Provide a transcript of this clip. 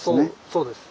そうです。